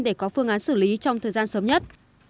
để có phương án xử lý trong thời gian sớm nhất